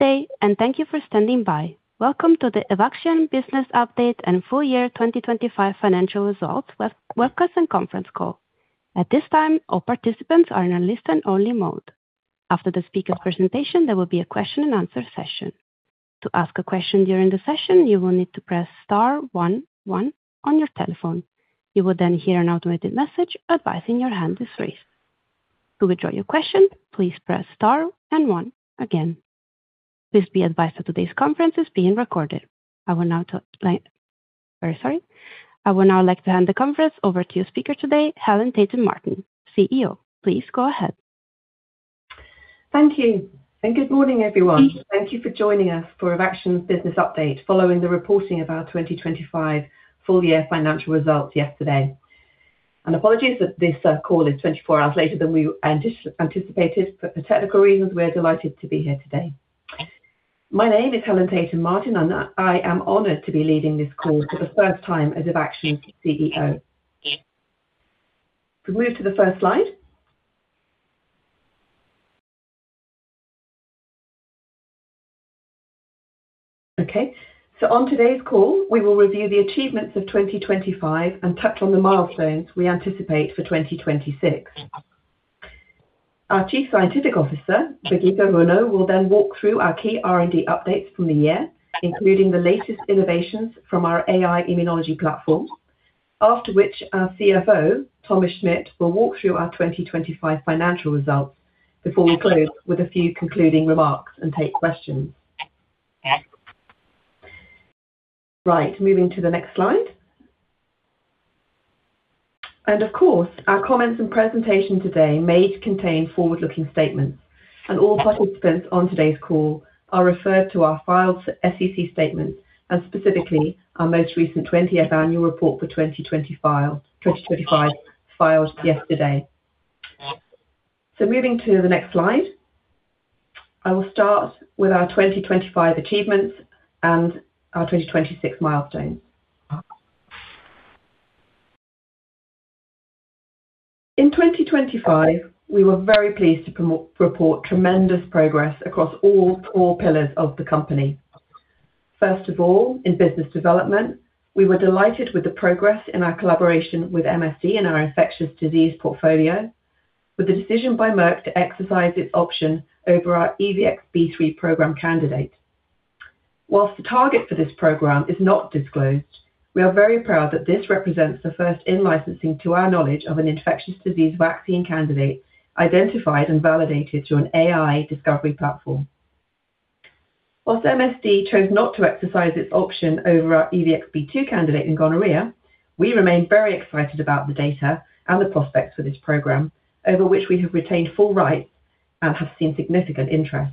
Day, thank you for standing by. Welcome to the Evaxion Business Update and Full Year 2025 Financial Results webcast and conference call. At this time, all participants are in a listen only mode. After the speaker presentation, there will be a question and answer session. To ask a question during the session, you will need to press star 1-1 on your telephone. You will then hear an automated message advising your hand is raised. To withdraw your question, please press star and 1 again. Please be advised that today's conference is being recorded. Very sorry. I will now like to hand the conference over to your speaker today, Helen Tayton-Martin, CEO. Please go ahead. Thank you, good morning, everyone. Thank you for joining us for Evaxion business update following the reporting of our 2025 full year financial results yesterday. Apologies that this call is 24 hours later than we anticipated for technical reasons. We're delighted to be here today. My name is Helen Tayton-Martin, and I am honored to be leading this call for the first time as Evaxion's CEO. If we move to the 1st slide. Okay. On today's call, we will review the achievements of 2025 and touch on the milestones we anticipate for 2026. Our Chief Scientific Officer, Birgitte Rønø, will then walk through our key R&D updates from the year, including the latest innovations from our AI-Immunology platform. After which, our CFO, Thomas Schmidt, will walk through our 2025 financial results before we close with a few concluding remarks and take questions. Right. Moving to the next slide. Of course, our comments and presentation today may contain forward-looking statements. All participants on today's call are referred to our filed SEC statements, and specifically our most recent 20th-year annual report for 2025 filed yesterday. Moving to the next slide. I will start with our 2025 achievements and our 2026 milestones. In 2025, we were very pleased to report tremendous progress across all core pillars of the company. First of all, in business development, we were delighted with the progress in our collaboration with MSD in our infectious disease portfolio, with the decision by Merck to exercise its option over our EVX-B3 program candidate. Whilst the target for this program is not disclosed, we are very proud that this represents the first in-licensing to our knowledge of an infectious disease vaccine candidate identified and validated through an AI discovery platform. Whilst MSD chose not to exercise its option over our EVX-B2 candidate in gonorrhea, we remain very excited about the data and the prospects for this program over which we have retained full rights and have seen significant interest.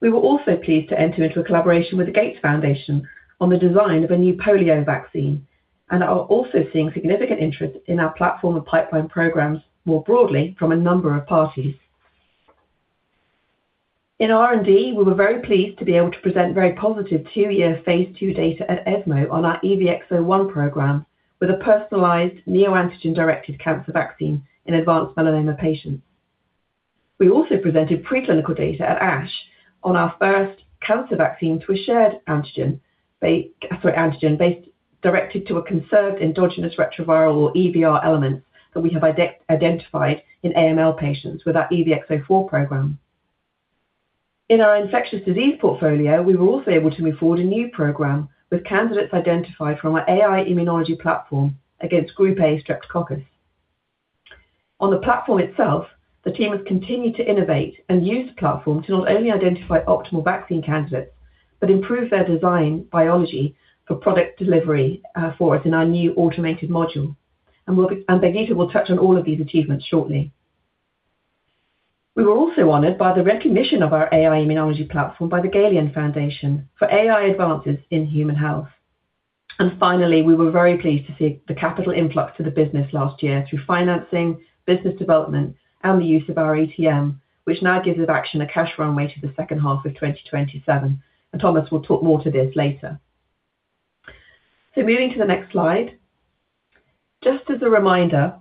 We were also pleased to enter into a collaboration with The Gates Foundation on the design of a new polio vaccine and are also seeing significant interest in our platform and pipeline programs more broadly from a number of parties. In R&D, we were very pleased to be able to present very positive 2-year phase II data at ESMO on our EVX-01 program with a personalized neoantigen-directed cancer vaccine in advanced melanoma patients. We also presented preclinical data at ASH on our 1st cancer vaccine to a shared antigen based directed to a conserved endogenous retroviral or ERV elements that we have identified in AML patients with our EVX-04 program. In our infectious disease portfolio, we were also able to move forward a new program with candidates identified from our AI-Immunology platform against Group A Streptococcus. On the platform itself, the team has continued to innovate and use the platform to not only identify optimal vaccine candidates but improve their design biology for product delivery for us in our new automated module. Birgitte will touch on all of these achievements shortly. We were also honored by the recognition of our AI-Immunology platform by the Galien Foundation for AI advances in human health. Finally, we were very pleased to see the capital influx to the business last year through financing, business development, and the use of our ATM, which now gives Evaxion a cash runway to the H2 of 2027. Thomas will talk more to this later. Moving to the next slide. Just as a reminder,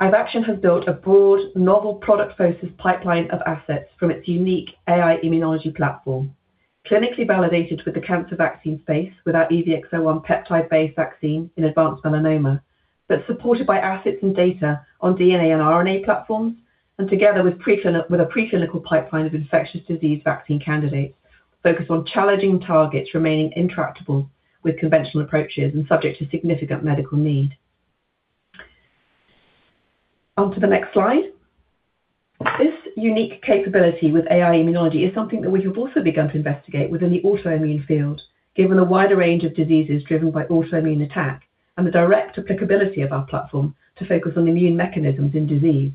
Evaxion has built a broad novel product-focused pipeline of assets from its unique AI-Immunology platform, clinically validated with the cancer vaccine space with our EVX-01 peptide-based vaccine in advanced melanoma. Supported by assets and data on DNA and RNA platforms, and together with a preclinical pipeline of infectious disease vaccine candidates focused on challenging targets remaining intractable with conventional approaches and subject to significant medical need. Onto the next slide. This unique capability with AI-Immunology is something that we have also begun to investigate within the autoimmune field, given a wider range of diseases driven by autoimmune attack and the direct applicability of our platform to focus on immune mechanisms in disease.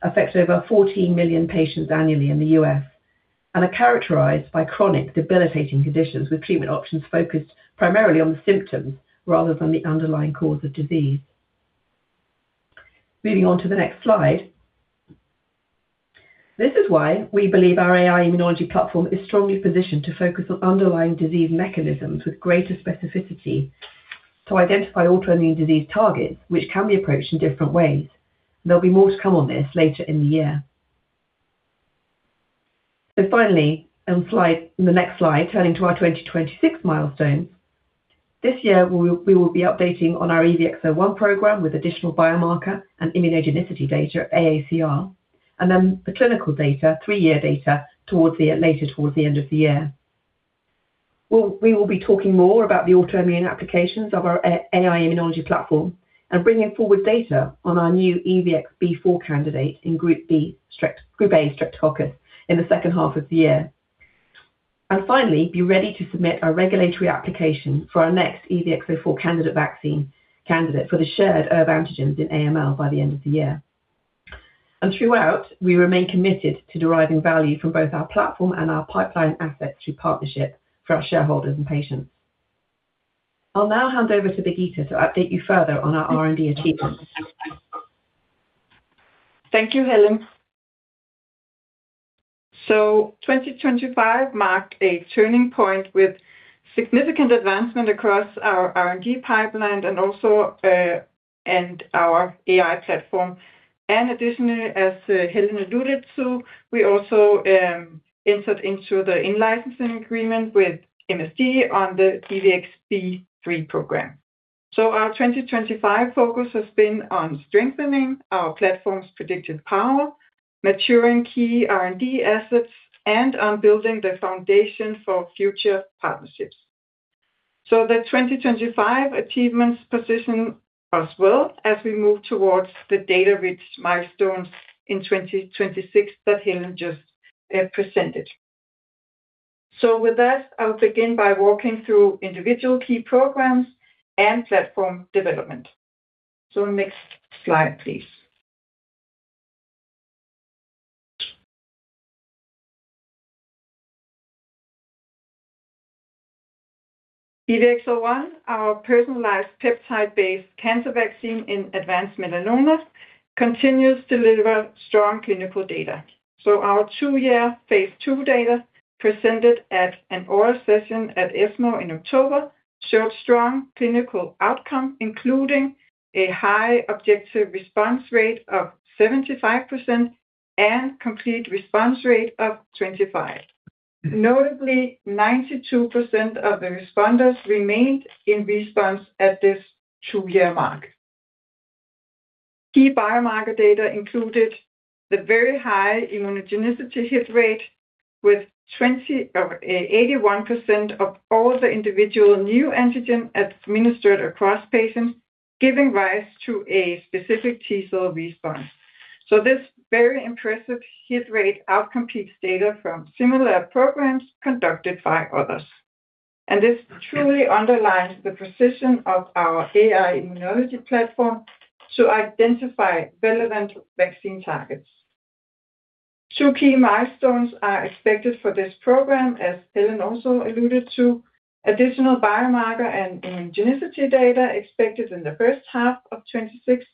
Autoimmune diseases affect over 14 million patients annually in the U.S. and are characterized by chronic debilitating conditions, with treatment options focused primarily on the symptoms rather than the underlying cause of disease. Moving on to the next slide. This is why we believe our AI-Immunology platform is strongly positioned to focus on underlying disease mechanisms with greater specificity to identify autoimmune disease targets, which can be approached in different ways. There'll be more to come on this later in the year. Finally, on the next slide, turning to our 2026 milestones. This year, we will be updating on our EVX-01 program with additional biomarker and immunogenicity data at AACR. The clinical data, 3-year data towards the later towards the end of the year. We will be talking more about the autoimmune applications of our AI-Immunology platform and bringing forward data on our new EVX-B4 candidate in Group A Streptococcus in the H2 of the year. Finally, be ready to submit our regulatory application for our next EVX-04 candidate vaccine, candidate for the shared ERV antigens in AML by the end of the year. Throughout, we remain committed to deriving value from both our platform and our pipeline assets through partnership for our shareholders and patients. I'll now hand over to Birgitte to update you further on our R&D achievements. Thank you, Helen. 2025 marked a turning point with significant advancement across our R&D pipeline and also our AI platform. Additionally, as Helen alluded to, we also entered into the in-licensing agreement with MSD on the EVX-B3 program. Our 2025 focus has been on strengthening our platform's predictive power, maturing key R&D assets, and on building the foundation for future partnerships. The 2025 achievements position us well as we move towards the data-rich milestones in 2026 that Helen just presented. With that, I'll begin by walking through individual key programs and platform development. Next slide, please. EVX-01, our personalized peptide-based cancer vaccine in advanced melanomas, continues to deliver strong clinical data. Our 2-year phase II data presented at an oral session at ESMO in October showed strong clinical outcome, including a high objective response rate of 75% and complete response rate of 25%. Notably, 92% of the responders remained in response at this 2-year mark. Key biomarker data included the very high immunogenicity hit rate with 20 or 81% of all the individual new antigen administered across patients, giving rise to a specific T-cell response. This very impressive hit rate outcompetes data from similar programs conducted by others. This truly underlines the precision of our AI-Immunology platform to identify relevant vaccine targets. 2 key milestones are expected for this program, as Helen also alluded to. Additional biomarker and immunogenicity data expected in the H1 of 2026.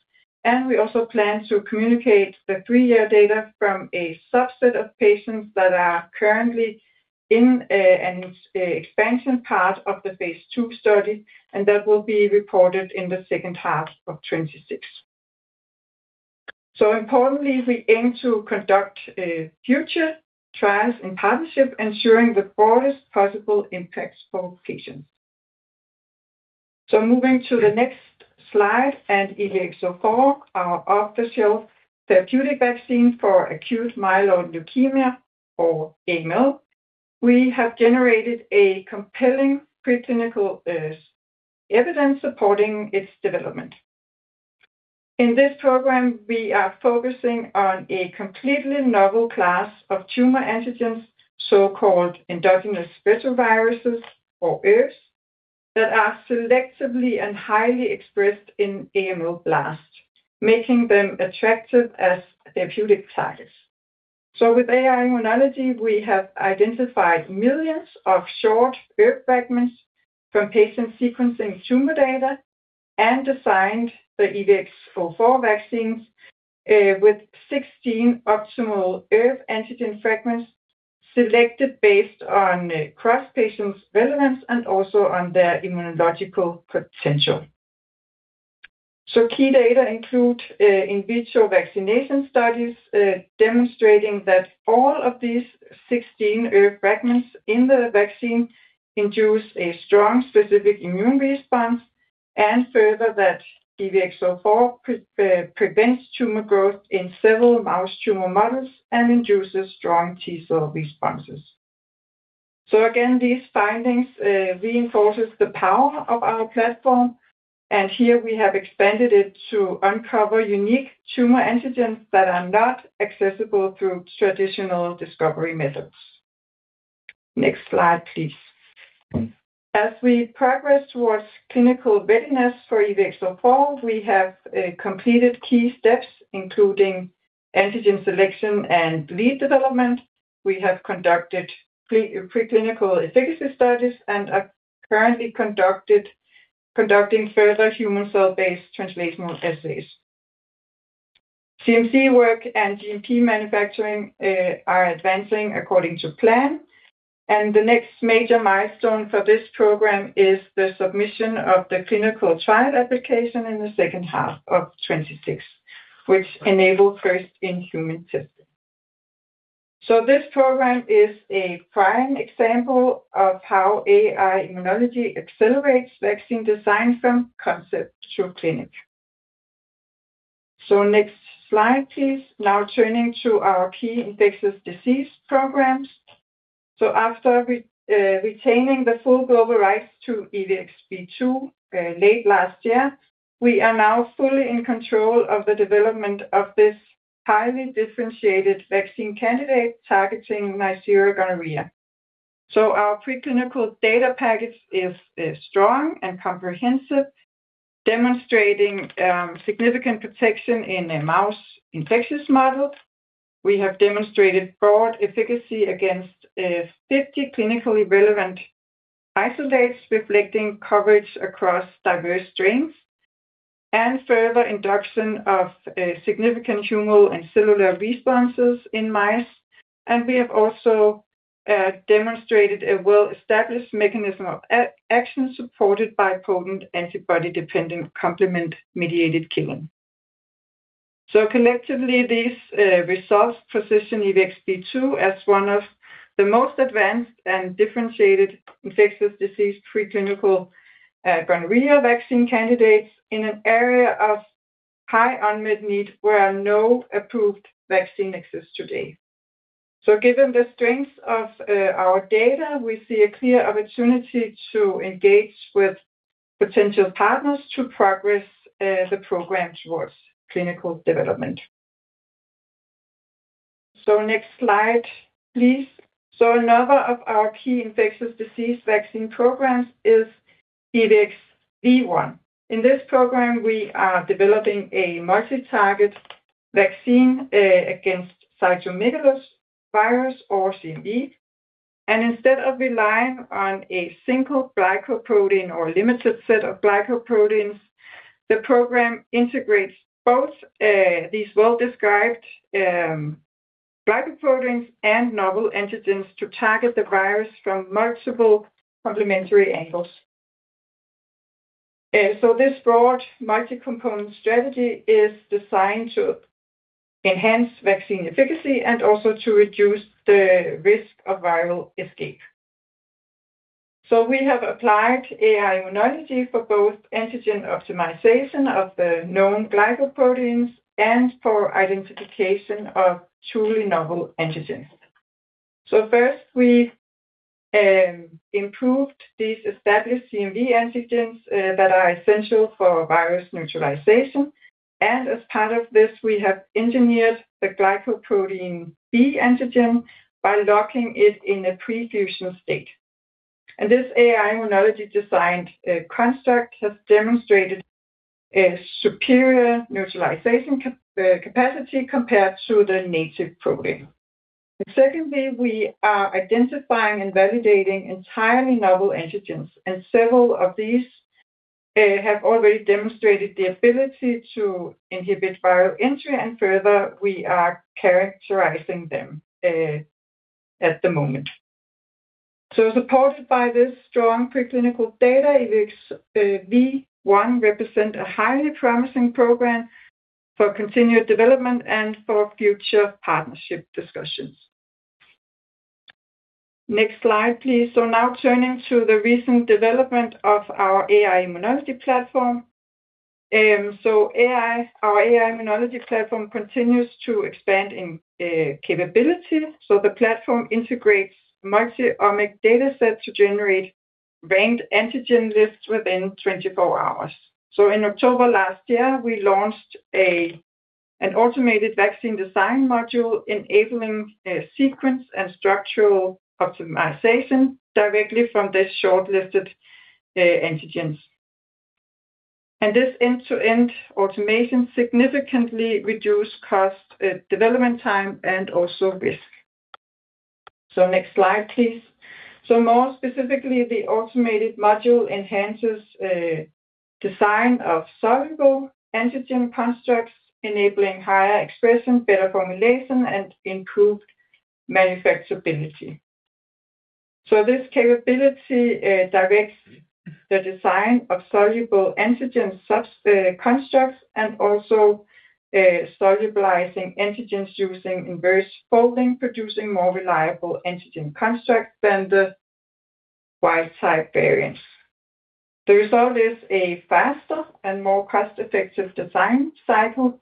We also plan to communicate the 3-year data from a subset of patients that are currently in an expansion part of the phase II study, and that will be reported in the H2 of 2026. Importantly, we aim to conduct future trials in partnership, ensuring the broadest possible impacts for patients. Moving to the next slide, EVX-04, our off-the-shelf therapeutic vaccine for acute myeloid leukemia or AML. We have generated a compelling preclinical evidence supporting its development. In this program, we are focusing on a completely novel class of tumor antigens, so-called endogenous retroviruses, or ERVs, that are selectively and highly expressed in AML blast, making them attractive as therapeutic targets. With AI-Immunology, we have identified millions of short ERV fragments from patient sequencing tumor data and designed the EVX-04 vaccines with 16 optimal ERV antigen fragments selected based on cross-patient relevance and also on their immunological potential. Key data include in vitro vaccination studies demonstrating that all of these 16 ERV fragments in the vaccine induce a strong specific immune response and further that EVX-04 prevents tumor growth in several mouse tumor models and induces strong T-cell responses. Again, these findings reinforces the power of our platform, and here we have expanded it to uncover unique tumor antigens that are not accessible through traditional discovery methods. Next slide, please. As we progress towards clinical readiness for EVX-04, we have completed key steps, including antigen selection and lead development. We have conducted preclinical efficacy studies and are currently conducting further human cell-based translational assays. CMC work and GMP manufacturing are advancing according to plan. The next major milestone for this program is the submission of the clinical trial application in the H2 of 2026, which enable first-in-human testing. This program is a prime example of how AI-Immunology accelerates vaccine design from concept through clinic. Next slide, please. Now turning to our key infectious disease programs. After retaining the full global rights to EVX-B2 late last year, we are now fully in control of the development of this highly differentiated vaccine candidate targeting Neisseria gonorrhoeae. Our preclinical data package is strong and comprehensive, demonstrating significant protection in a mouse infectious model. We have demonstrated broad efficacy against 50 clinically relevant isolates reflecting coverage across diverse strains and further induction of a significant humoral and cellular responses in mice. We have also demonstrated a well-established mechanism of action supported by potent antibody-dependent complement-mediated killing. Collectively, these results position EVX-B2 as one of the most advanced and differentiated infectious disease preclinical gonorrhoeae vaccine candidates in an area of high unmet need where no approved vaccine exists today. Given the strength of our data, we see a clear opportunity to engage with potential partners to progress the program towards clinical development. Next slide, please. Another of our key infectious disease vaccine programs is EVX-B1. In this program, we are developing a multi-target vaccine against cytomegalovirus or CMV. Instead of relying on a single glycoprotein or limited set of glycoproteins, the program integrates both these well-described glycoproteins and novel antigens to target the virus from multiple complementary angles. This broad multi-component strategy is designed to enhance vaccine efficacy and also to reduce the risk of viral escape. We have applied AI-Immunology for both antigen optimization of the known glycoproteins and for identification of truly novel antigens. First, we improved these established CMV antigens that are essential for virus neutralization. As part of this, we have engineered the glycoprotein B antigen by locking it in a prefusion state. This AI-Immunology designed construct has demonstrated a superior neutralization capacity compared to the native protein. Secondly, we are identifying and validating entirely novel antigens, and several of these have already demonstrated the ability to inhibit viral entry, and further, we are characterizing them at the moment. Supported by this strong preclinical data, EVX-B1 represent a highly promising program for continued development and for future partnership discussions. Next slide, please. Now turning to the recent development of our AI-Immunology platform. AI, our AI-Immunology platform continues to expand in capability. The platform integrates multi-omic data set to generate ranked antigen lists within 24 hours. In October last year, we launched an automated vaccine design module enabling sequence and structural optimization directly from the shortlisted antigens. This end-to-end automation significantly reduce cost, development time, and also risk. Next slide, please. More specifically, the automated module enhances design of soluble antigen constructs, enabling higher expression, better formulation, and improved manufacturability. This capability directs the design of soluble antigen constructs and also solubilizing antigens using inverse folding, producing more reliable antigen constructs than the wild-type variants. The result is a faster and more cost-effective design cycle,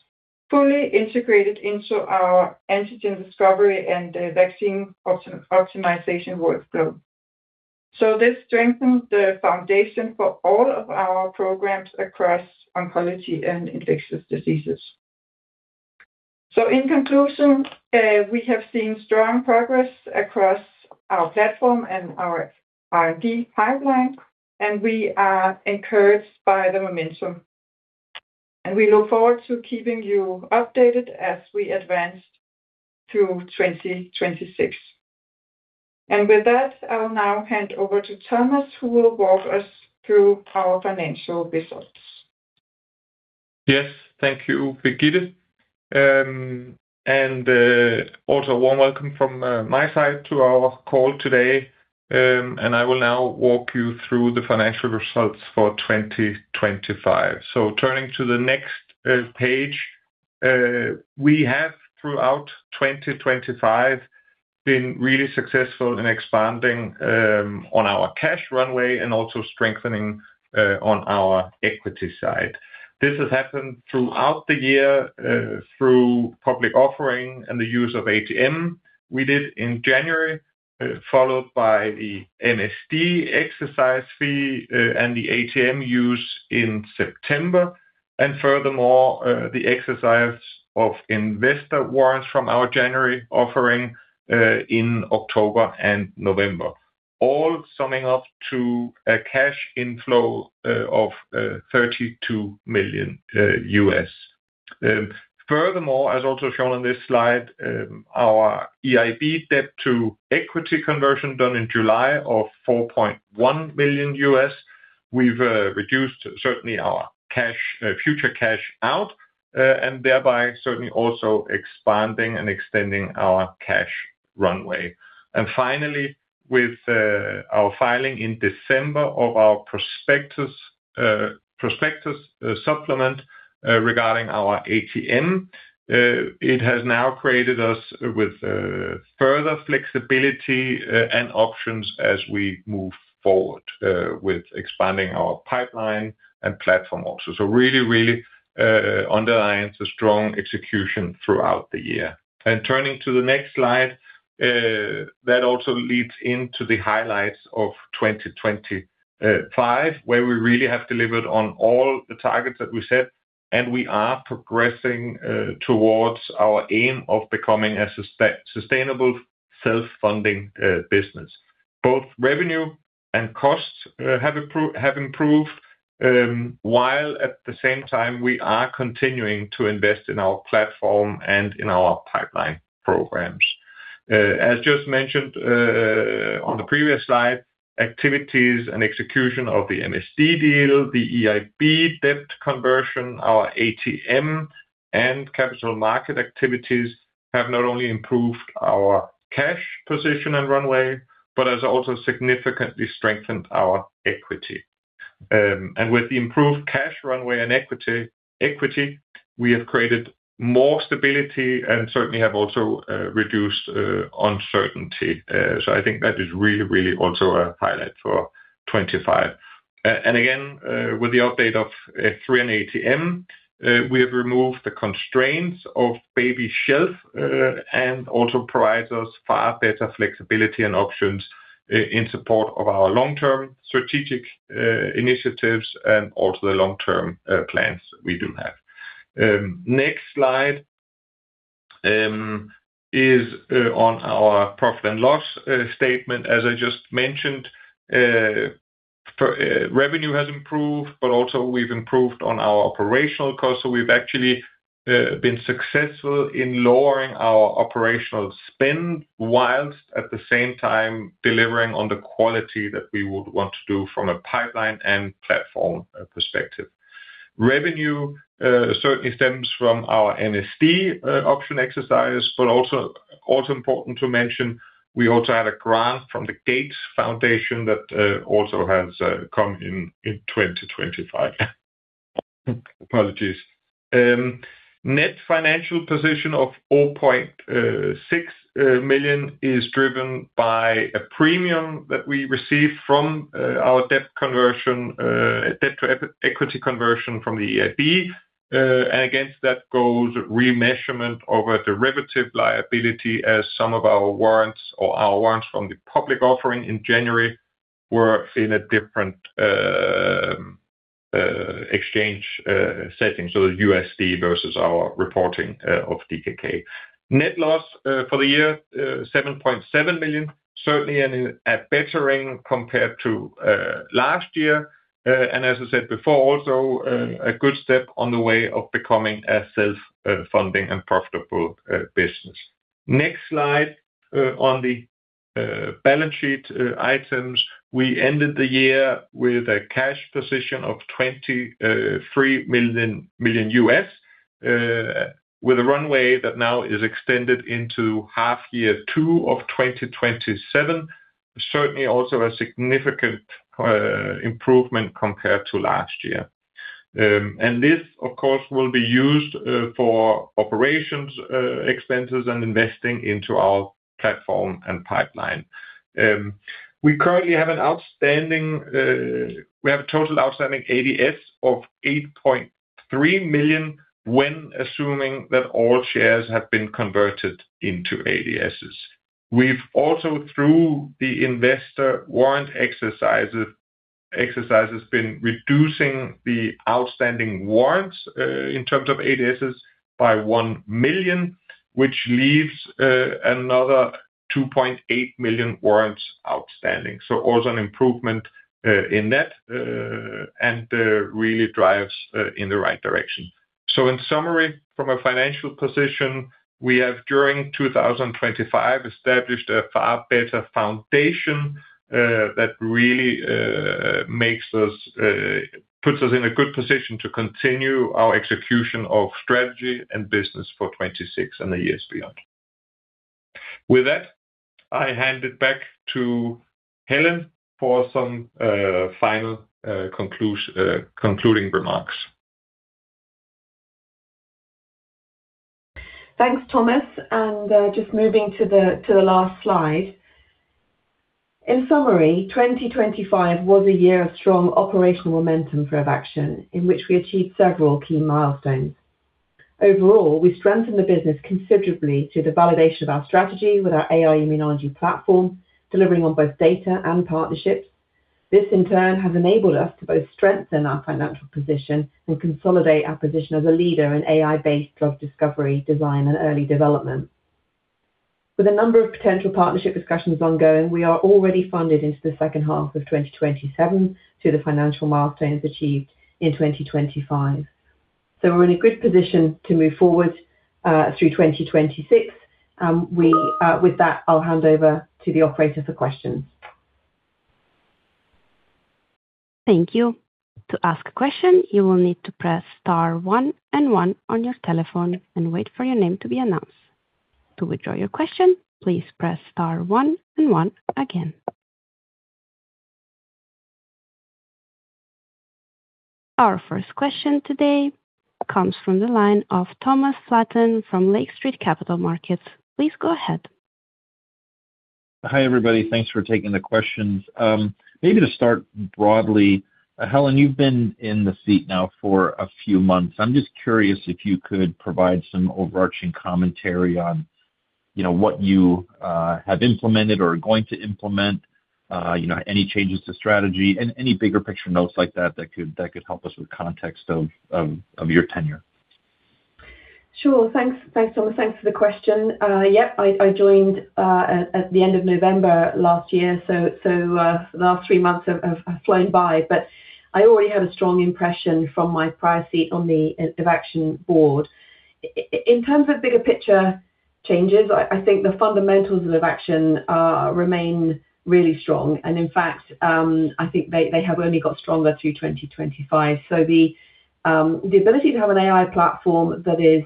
fully integrated into our antigen discovery and vaccine optimization workflow. This strengthens the foundation for all of our programs across oncology and infectious diseases. In conclusion, we have seen strong progress across our platform and our R&D pipeline, and we are encouraged by the momentum. We look forward to keeping you updated as we advance through 2026. With that, I will now hand over to Thomas, who will walk us through our financial results. Yes. Thank you, Birgitte. Also warm welcome from my side to our call today. I will now walk you through the financial results for 2025. Turning to the next page, we have throughout 2025 been really successful in expanding on our cash runway and also strengthening on our equity side. This has happened throughout the year through public offering and the use of ATM we did in January, followed by the MSD exercise fee and the ATM use in September. Furthermore, the exercise of investor warrants from our January offering in October and November, all summing up to a cash inflow of $32 million. Furthermore, as also shown on this slide, our EIB debt to equity conversion done in July of $4.1 million, we've reduced certainly our future cash out and thereby certainly also expanding and extending our cash runway. Finally, with our filing in December of our prospectus supplement regarding our ATM, it has now created us with further flexibility and options as we move forward with expanding our pipeline and platform also. Really, really underlines the strong execution throughout the year. Turning to the next slide, that also leads into the highlights of 2025, where we really have delivered on all the targets that we set, and we are progressing towards our aim of becoming a sustainable self-funding business. Both revenue and costs have improved while at the same time we are continuing to invest in our platform and in our pipeline programs. As just mentioned on the previous slide, activities and execution of the MSD deal, the EIB debt conversion, our ATM and capital market activities have not only improved our cash position and runway but has also significantly strengthened our equity. With the improved cash runway and equity, we have created more stability and certainly have also reduced uncertainty. I think that is really, really also a highlight for 2025. Again, with the update of Form F-3 and ATM, we have removed the constraints of baby shelf, and also provides us far better flexibility and options in support of our long-term strategic initiatives and also the long-term plans we do have. Next slide is on our profit and loss statement. As I just mentioned, for revenue has improved, also we've improved on our operational costs. We've actually been successful in lowering our operational spend whilst at the same time delivering on the quality that we would want to do from a pipeline and platform perspective. Revenue certainly stems from our MSD option exercise, also important to mention, we also had a grant from the Gates Foundation that also has come in 2025. Apologies. Net financial position of $0.6 million is driven by a premium that we received from our debt conversion, debt to equity conversion from the EIB. Against that goes remeasurement of a derivative liability as some of our warrants or our warrants from the public offering in January were in a different exchange setting, so USD versus our reporting of DKK. Net loss for the year $7.7 million, certainly an bettering compared to last year. As I said before, also a good step on the way of becoming a self-funding and profitable business. Next slide, on the balance sheet items, we ended the year with a cash position of $23 million with a runway that now is extended into half year 2 of 2027. Certainly also a significant improvement compared to last year. This of course will be used for operations expenses and investing into our platform and pipeline. We currently have a total outstanding ADS of 8.3 million when assuming that all shares have been converted into ADSs. We've also, through the investor warrant exercises, been reducing the outstanding warrants in terms of ADSs by 1 million, which leaves another 2.8 million warrants outstanding. Also an improvement, in that, and, really drives in the right direction. In summary, from a financial position, we have, during 2025, established a far better foundation that really makes us, puts us in a good position to continue our execution of strategy and business for 2026 and the years beyond. With that, I hand it back to Helen for some final concluding remarks. Thanks, Thomas. Just moving to the last slide. In summary, 2025 was a year of strong operational momentum for Evaxion, in which we achieved several key milestones. Overall, we strengthened the business considerably through the validation of our strategy with our AI-Immunology platform, delivering on both data and partnerships. This, in turn, has enabled us to both strengthen our financial position and consolidate our position as a leader in AI-based drug discovery, design and early development. With a number of potential partnership discussions ongoing, we are already funded into the H2 of 2027 through the financial milestones achieved in 2025. We're in a good position to move forward through 2026. With that, I'll hand over to the operator for questions. Thank you. To ask a question, you will need to press * 1 and 1 on your telephone and wait for your name to be announced. To withdraw your question, please press * 1 and 1 again. Our 1st question today comes from the line of Thomas Flaten from Lake Street Capital Markets. Please go ahead. Hi, everybody. Thanks for taking the questions. Maybe to start broadly, Helen, you've been in the seat now for a few months. I'm just curious if you could provide some overarching commentary on, you know, what you have implemented or are going to implement, you know, any changes to strategy, any bigger picture notes like that could help us with context of your tenure. Sure. Thanks. Thanks, Thomas. Thanks for the question. I joined at the end of November last year, so the last 3 months have flown by, but I already had a strong impression from my prior seat on the Evaxion board. In terms of bigger picture changes, I think the fundamentals of Evaxion remain really strong. In fact, I think they have only got stronger through 2025. The ability to have an AI platform that is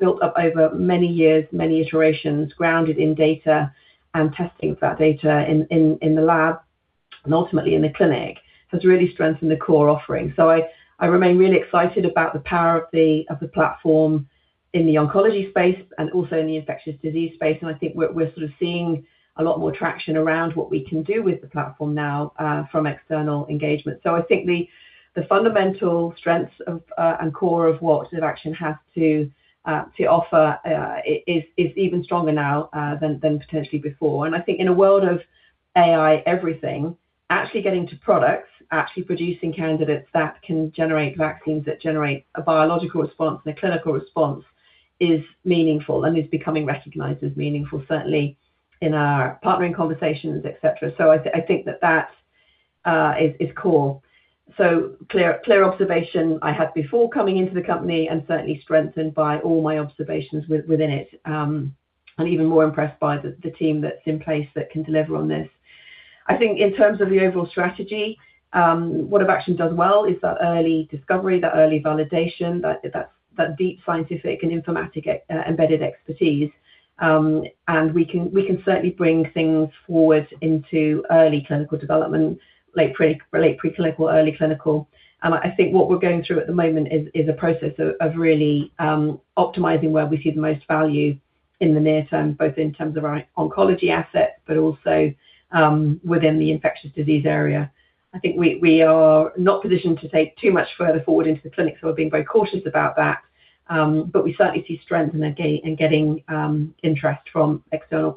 built up over many years, many iterations, grounded in data and testing of that data in the lab and ultimately in the clinic, has really strengthened the core offering. I remain really excited about the power of the platform in the oncology space and also in the infectious disease space. I think we're sort of seeing a lot more traction around what we can do with the platform now, from external engagement. I think the fundamental strengths of, and core of what Evaxion has to offer, is even stronger now, than potentially before. I think in a world of AI everything, actually getting to products, actually producing candidates that can generate vaccines that generate a biological response and a clinical response is meaningful and is becoming recognized as meaningful, certainly in our partnering conversations, et cetera. I think that is core. Clear observation I had before coming into the company and certainly strengthened by all my observations within it, and even more impressed by the team that's in place that can deliver on this. I think in terms of the overall strategy, what Evaxion does well is that early discovery, that early validation, that deep scientific and informatic-embedded expertise. And we can certainly bring things forward into early clinical development, late pre-clinical, early clinical. I think what we're going through at the moment is a process of really, optimizing where we see the most value in the near term, both in terms of our oncology asset, but also, within the infectious disease area. I think we are not positioned to take too much further forward into the clinic, so we're being very cautious about that. We certainly see strength in the gate in getting interest from external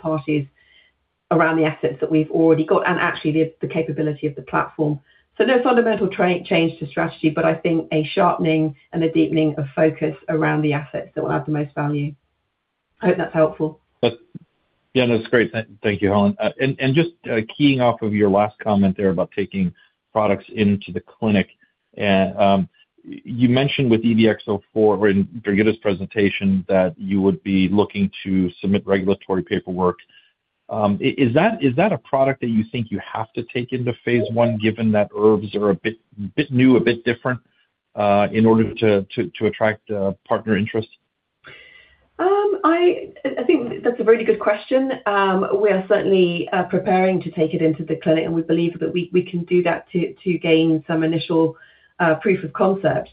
parties around the assets that we've already got and actually the capability of the platform. No fundamental change to strategy, but I think a sharpening and a deepening of focus around the assets that will add the most value. I hope that's helpful. That's great. Thank you, Helen. Just keying off of your last comment there about taking products into the clinic. You mentioned with EVX-04 in Birgitte's presentation that you would be looking to submit regulatory paperwork. Is that, is that a product that you think you have to take into phase I, given that ERVs are a bit new, a bit different, in order to attract partner interest? I think that's a really good question. We are certainly preparing to take it into the clinic, and we believe that we can do that to gain some initial proof of concept.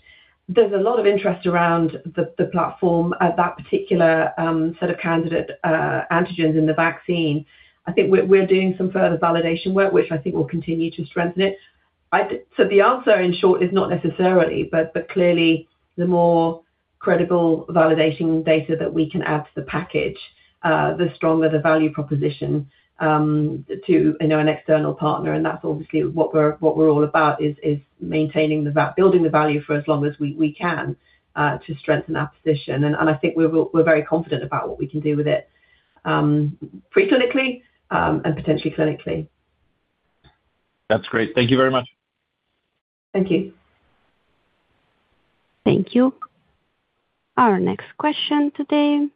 There's a lot of interest around the platform at that particular set of candidate antigens in the vaccine. I think we're doing some further validation work, which I think will continue to strengthen it. So the answer, in short, is not necessarily, but clearly the more credible validation data that we can add to the package, the stronger the value proposition, you know, to an external partner. That's obviously what we're what we're all about is maintaining the building the value for as long as we can to strengthen our position. I think we're very confident about what we can do with it pre-clinically and potentially clinically. That's great. Thank you very much. Thank you. Thank you. Our next question today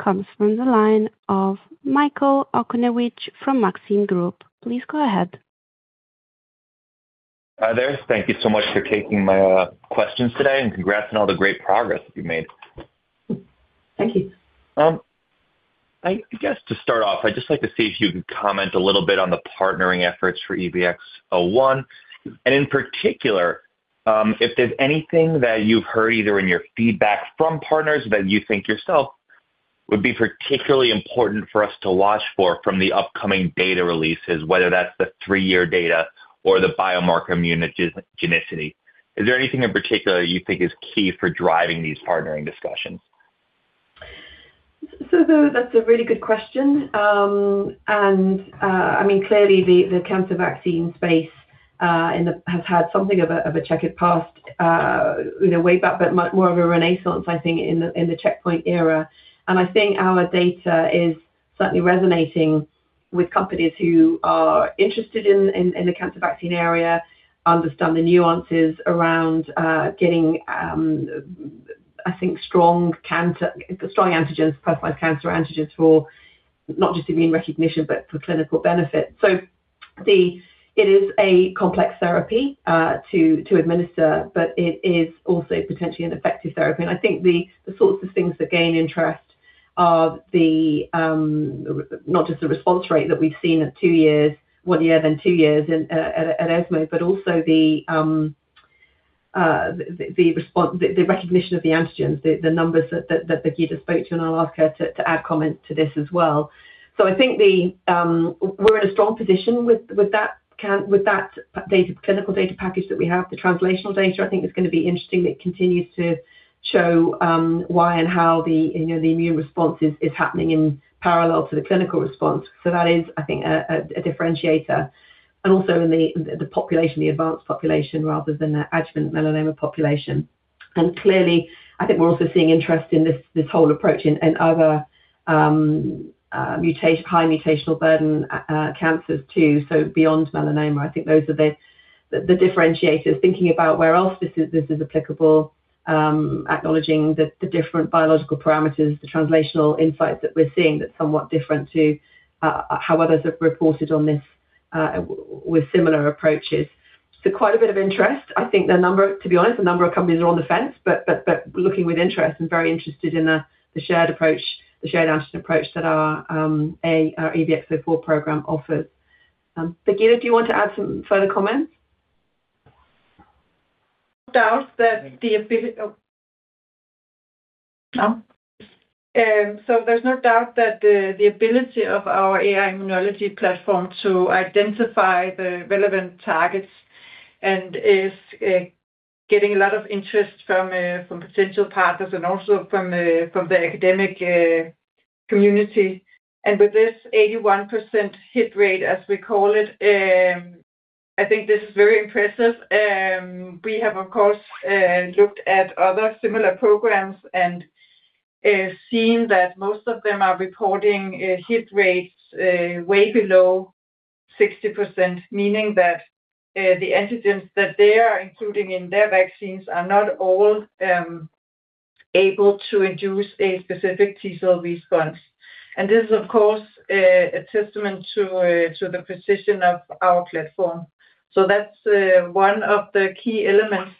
comes from the line of Michael Okunewitch from Maxim Group. Please go ahead. Hi there. Thank you so much for taking my questions today, and congrats on all the great progress you've made. Thank you. I guess to start off, I'd just like to see if you could comment a little bit on the partnering efforts for EVX-01, and in particular, if there's anything that you've heard either in your feedback from partners that you think yourself would be particularly important for us to watch for from the upcoming data releases, whether that's the 3-year data or the biomarker immunogenicity. Is there anything in particular you think is key for driving these partnering discussions? That's a really good question. I mean, clearly the cancer vaccine space has had something of a checkered past, you know, way back, but much more of a renaissance, I think, in the checkpoint era. I think our data is certainly resonating with companies who are interested in the cancer vaccine area, understand the nuances around getting I think strong cancer, strong antigens, personalized cancer antigens for not just immune recognition, but for clinical benefit. It is a complex therapy to administer, but it is also potentially an effective therapy. I think the sorts of things that gain interest are the not just the response rate that we've seen at 2 years, 1 year, then 2 years at ESMO, but also the response, the recognition of the antigens, the numbers that Birgitte Rønø spoke to, and I'll ask her to add comment to this as well. I think we're in a strong position with that data, clinical data package that we have. The translational data I think is gonna be interesting. It continues to show why and how the, you know, the immune response is happening in parallel to the clinical response. That is, I think, a differentiator. Also in the population, the advanced population rather than the adjuvant melanoma population. Clearly, I think we're also seeing interest in this whole approach in other, high mutational burden, cancers too. Beyond melanoma, I think those are the differentiators, thinking about where else this is, this is applicable, acknowledging the different biological parameters, the translational insights that we're seeing that's somewhat different to how others have reported on this with similar approaches. Quite a bit of interest. To be honest, a number of companies are on the fence, but looking with interest and very interested in the shared approach, the shared antigen approach that our EVX-04 program offers. Birgitte, do you want to add some further comments? No doubt that the abili- Oh. Now? There's no doubt that the ability of our AI-Immunology platform to identify the relevant targets and is getting a lot of interest from potential partners and also from the academic community. With this 81% hit rate, as we call it, I think this is very impressive. We have of course looked at other similar programs and seen that most of them are reporting hit rates way below 60%, meaning that the antigens that they are including in their vaccines are not all able to induce a specific T-cell response. This is of course a testament to the precision of our platform. That's one of the key elements.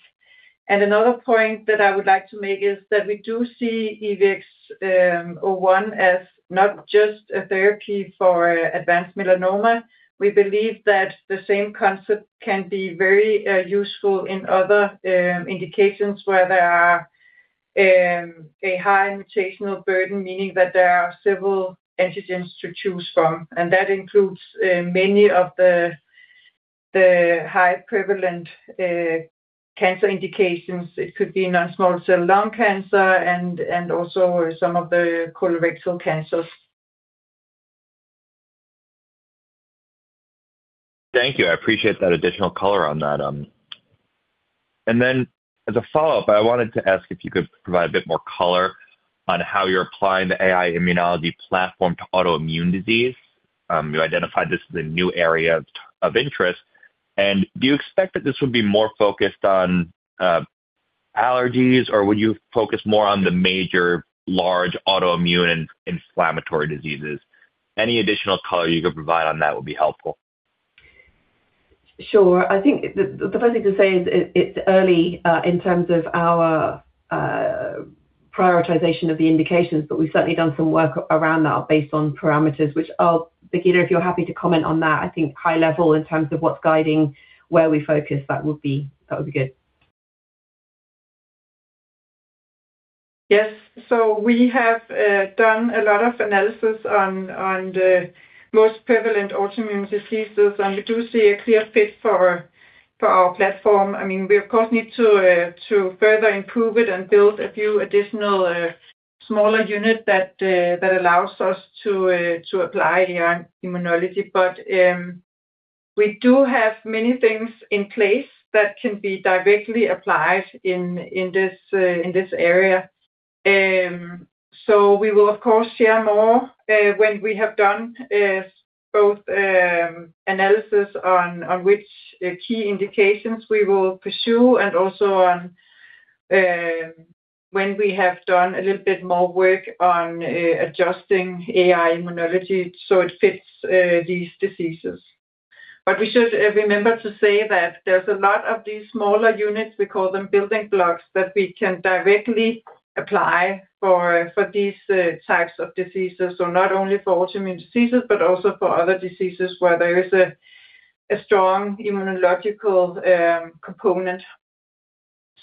Another point that I would like to make is that we do see EVX-01 as not just a therapy for advanced melanoma. We believe that the same concept can be very useful in other indications where there are a high mutational burden, meaning that there are several antigens to choose from, and that includes many of the high prevalent cancer indications. It could be non-small cell lung cancer and also some of the colorectal cancers. Thank you. I appreciate that additional color on that. As a follow-up, I wanted to ask if you could provide a bit more color on how you're applying the AI-Immunology platform to autoimmune disease. You identified this as a new area of interest. Do you expect that this would be more focused on allergies, or would you focus more on the major large autoimmune and inflammatory diseases? Any additional color you could provide on that would be helpful. Sure. I think the first thing to say is it's early in terms of our prioritization of the indications, but we've certainly done some work around that based on parameters which are. Birgitte, if you're happy to comment on that, I think high level in terms of what's guiding where we focus, that would be good. Yes. We have done a lot of analysis on the most prevalent autoimmune diseases, and we do see a clear fit for our platform. I mean, we of course, need to further improve it and build a few additional smaller unit that allows us to apply AI-Immunology. We do have many things in place that can be directly applied in this area. We will of course share more when we have done both analysis on which key indications we will pursue and also on when we have done a little bit more work on adjusting AI-Immunology so it fits these diseases. We should remember to say that there's a lot of these smaller units, we call them building blocks, that we can directly apply for these types of diseases. Not only for autoimmune diseases, but also for other diseases where there is a strong immunological component.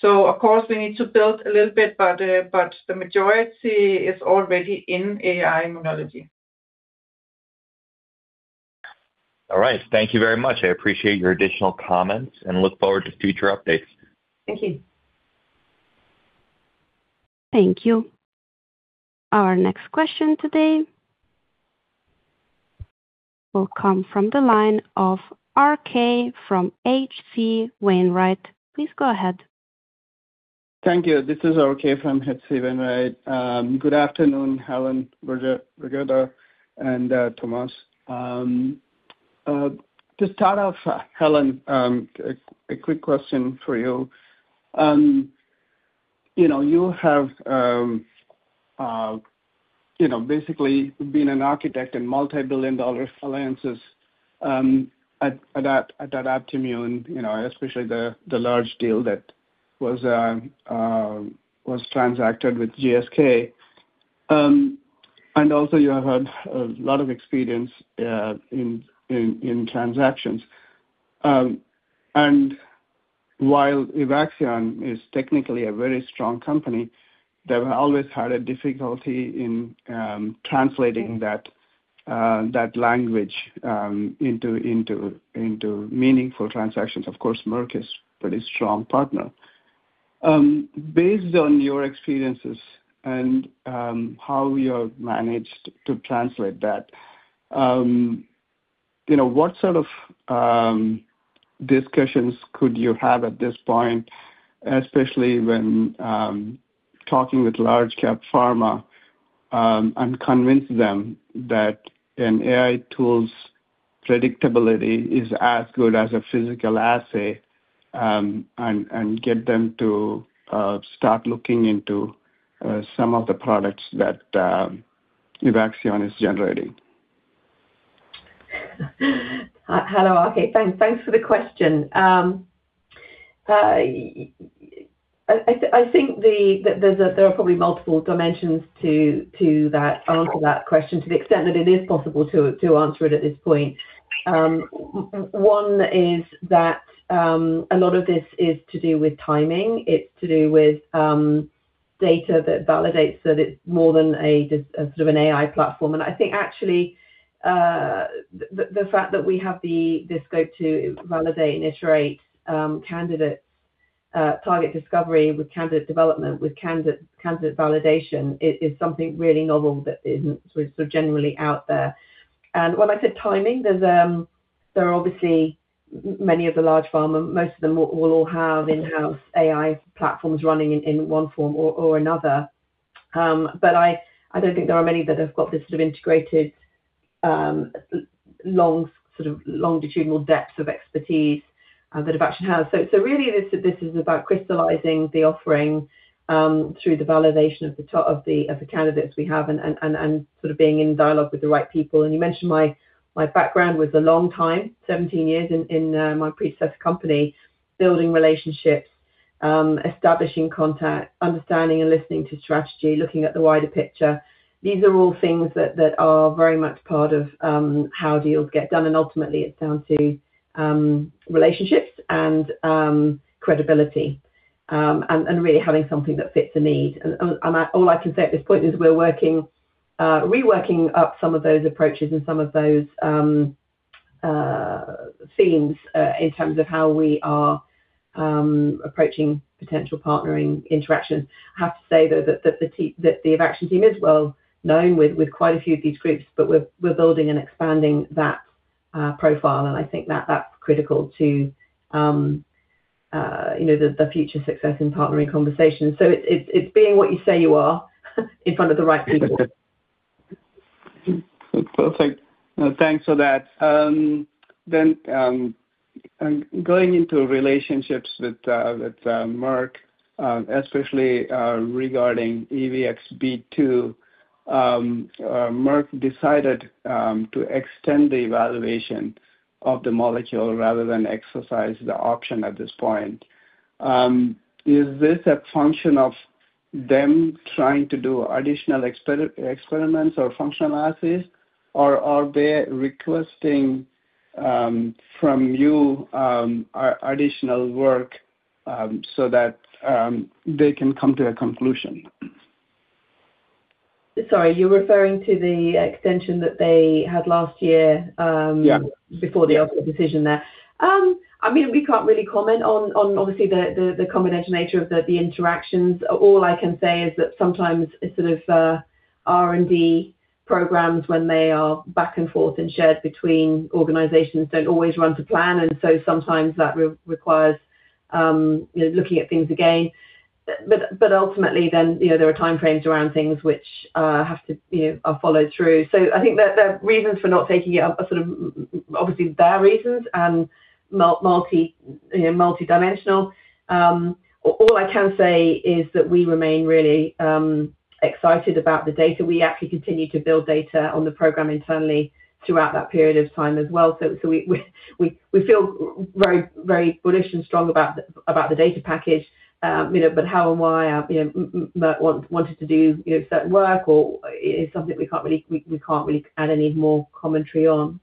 Of course, we need to build a little bit, but the majority is already in AI-Immunology. All right. Thank you very much. I appreciate your additional comments and look forward to future updates. Thank you. Thank you. Our next question today will come from the line of RK from H.C. Wainwright. Please go ahead. Thank you. This is RK from HC Wainwright. Good afternoon, Helen, Birgitte, and Thomas. To start off, Helen, a quick question for you. You know, you have, you know, basically been an architect in multi-billion dollar alliances at Adaptimmune, you know, especially the large deal that was transacted with GSK. Also, you have had a lot of experience in transactions. While Evaxion is technically a very strong company, they've always had a difficulty in translating that language into meaningful transactions. Of course, Merck is pretty strong partner. Based on your experiences and, how you have managed to translate that, you know, what sort of, discussions could you have at this point, especially when, talking with large cap pharma, and convince them that an AI tool's predictability is as good as a physical assay, and get them to, start looking into, some of the products that, Evaxion is generating? Hello, RK. Thanks for the question. I think that there are probably multiple dimensions to that answer that question to the extent that it is possible to answer it at this point. 1 is that a lot of this is to do with timing. It's to do with data that validates that it's more than a sort of an AI platform. I think actually the fact that we have the scope to validate and iterate candidates, target discovery with candidate development, with candidate validation is something really novel that isn't sort of generally out there. When I said timing, there's, there are obviously many of the large pharma, most of them will all have in-house AI platforms running in 1 form or another. But I don't think there are many that have got the sort of integrated, long sort of longitudinal depth of expertise that Evaxion has. Really this is about crystallizing the offering through the validation of the candidates we have and sort of being in dialogue with the right people. You mentioned my background was a long time, 17 years in my previous company, building relationships, establishing contact, understanding and listening to strategy, looking at the wider picture. These are all things that are very much part of how deals get done. Ultimately it's down to relationships and credibility, and really having something that fits a need. All I can say at this point is we're reworking up some of those approaches and some of those themes, in terms of how we are approaching potential partnering interactions. I have to say, though, that the Evaxion team is well-known with quite a few of these groups, but we're building and expanding that profile. I think that that's critical to, you know, the future success in partnering conversations. It's being what you say you are in front of the right people. Perfect. No, thanks for that. Going into relationships with Merck, especially regarding EVX-B2, Merck decided to extend the evaluation of the molecule rather than exercise the option at this point. Is this a function of them trying to do additional experiments or functional assays, or are they requesting from you additional work so that they can come to a conclusion? Sorry, you're referring to the extension that they had last year. Yeah. before the decision there? I mean, we can't really comment on obviously the confidential nature of the interactions. All I can say is that sometimes it's sort of R&D programs when they are back and forth and shared between organizations don't always run to plan. Sometimes that requires looking at things again. Ultimately then, you know, there are time frames around things which have to, you know, are followed through. I think the reasons for not taking it up are sort of obviously their reasons and multi, you know, multidimensional. All I can say is that we remain really excited about the data. We actually continue to build data on the program internally throughout that period of time as well. We feel very, very bullish and strong about the data package. You know, how and why, you know, Merck wanted to do, you know, certain work or is something we can't really add any more commentary on.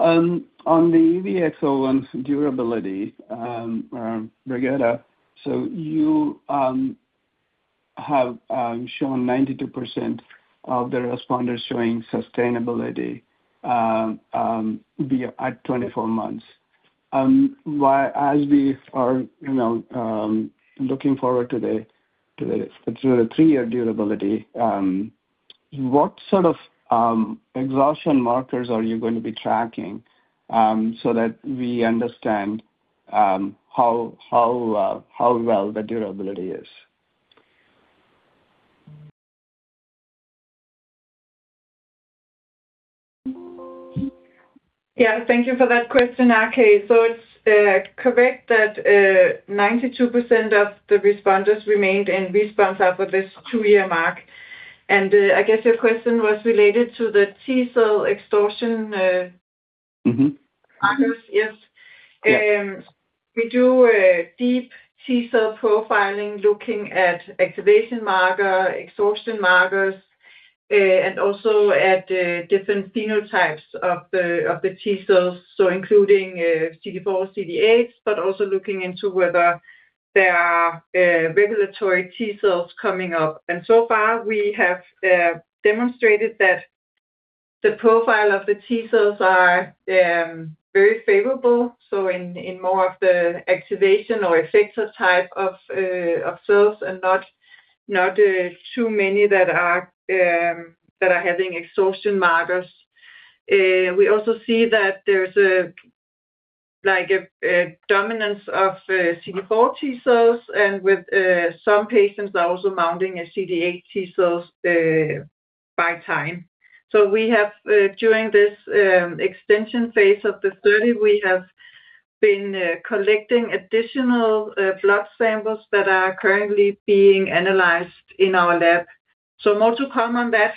On the EVX-01 durability, Birgitte, so you have shown 92% of the responders showing sustainability, via at 24 months. Why, as we are, you know, looking forward to the sort of 3-year durability, what sort of exhaustion markers are you going to be tracking, so that we understand how well the durability is? Thank you for that question, RK. It's correct that 92% of the responders remained in response after this 2-year mark. I guess your question was related to the T-cell exhaustion. Mm-hmm markers. Yes. Yes. We do deep T-cell profiling looking at activation marker, exhaustion markers, and also at different phenotypes of the T-cells, so including CD4, CD8, but also looking into whether there are regulatory T-cells coming up. So far we have demonstrated that the profile of the T-cells are very favorable, so in more of the activation or effector type of cells and not too many that are having exhaustion markers. We also see that there's a like a dominance of CD4 T-cells and with some patients are also mounting a CD8 T-cells by time. We have during this extension phase of the 30, we have been collecting additional blood samples that are currently being analyzed in our lab. More to come on that.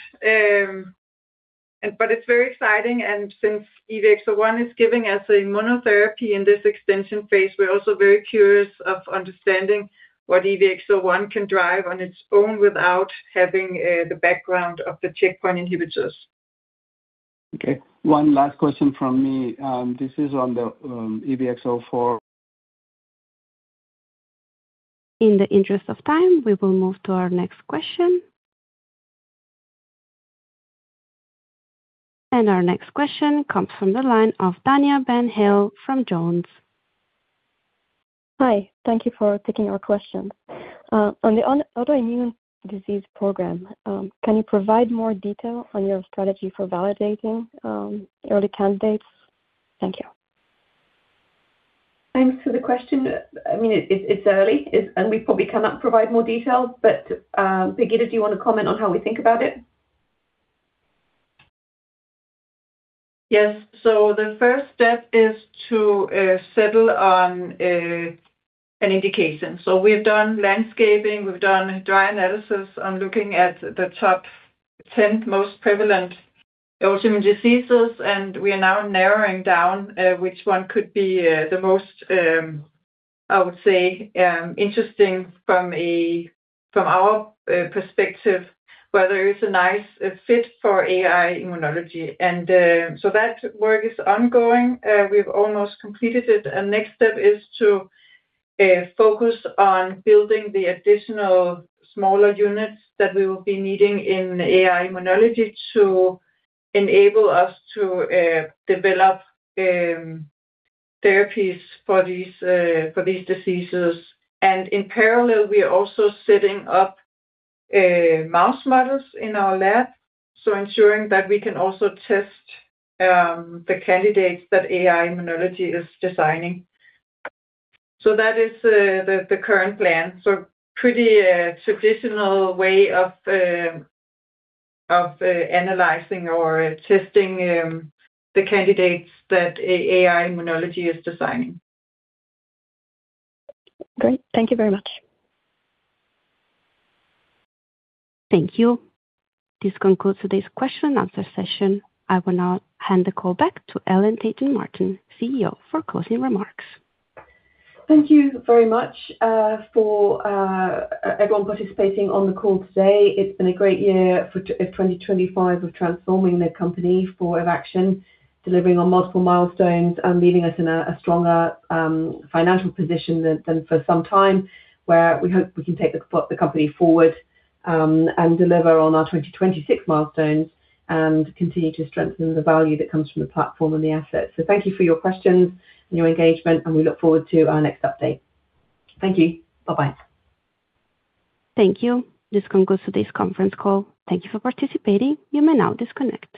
It's very exciting and since EVX-01 is giving us a monotherapy in this extension phase, we're also very curious of understanding what EVX-01 can drive on its own without having the background of the checkpoint inhibitors. Okay. 1 last question from me, this is on the EVX-04. In the interest of time, we will move to our next question. Our next question comes from the line of Tanya Van Hale from Jones. Hi. Thank you for taking our question. On the autoimmune disease program, can you provide more detail on your strategy for validating early candidates? Thank you. Thanks for the question. I mean, it's early. It's and we probably cannot provide more details. Birgitte, do you want to comment on how we think about it? Yes. The 1st step is to settle on an indication. We've done landscaping, we've done dry analysis on looking at the top 10 most prevalent autoimmune diseases, and we are now narrowing down which 1 could be the most, I would say, interesting from our perspective, whether it's a nice fit for AI-Immunology. That work is ongoing. We've almost completed it. Next step is to focus on building the additional smaller units that we will be needing in AI-Immunology to enable us to develop therapies for these diseases. In parallel we are also setting up mouse models in our lab, ensuring that we can also test the candidates that AI-Immunology is designing. That is the current plan. Pretty traditional way of analyzing or testing the candidates that AI-Immunology is designing. Great. Thank you very much. Thank you. This concludes today's question and answer session. I will now hand the call back to Helen Tayton-Martin, CEO, for closing remarks. Thank you very much for everyone participating on the call today. It's been a great year for 2025 of transforming the company for Evaxion, delivering on multiple milestones and leaving us in a stronger financial position than for some time, where we hope we can take the company forward and deliver on our 2026 milestones and continue to strengthen the value that comes from the platform and the assets. Thank you for your questions and your engagement, and we look forward to our next update. Thank you. Bye-bye. Thank you. This concludes today's conference call. Thank you for participating. You may now disconnect.